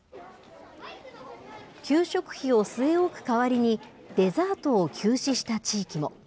給食費を据え置く代わりに、デザートを休止した地域も。